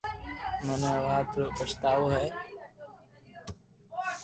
مني آ وات رو پچتاوہ ھيي